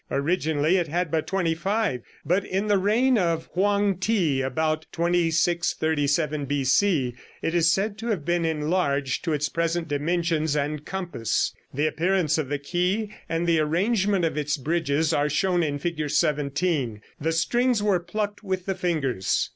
Originally it had but twenty five, but in the reign of Hoang Ti, about 2637 B.C., it is said to have been enlarged to its present dimensions and compass. The appearance of the ke and the arrangement of its bridges are shown in Fig. 17. The strings were plucked with the fingers.